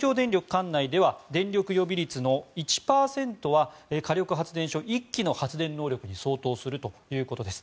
管内では電力予備率の１％は火力発電所１基の発電能力に相当するということです。